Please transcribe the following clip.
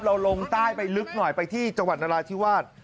ลงใต้ไปลึกหน่อยไปที่จังหวัดนราธิวาส